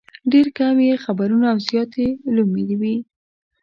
ډېر کم یې خبرونه او زیات یې لومې وي.